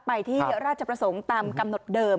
ไปที่ราชประสงค์ตามกำหนดเดิม